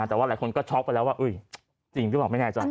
แต่ว่าหลายคนก็ช็อกไปแล้วว่าจริงหรือเปล่าไม่แน่ใจ